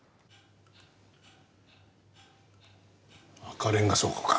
赤レンガ倉庫か。